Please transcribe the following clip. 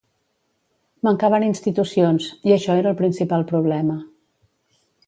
Mancaven institucions, i això era el principal problema.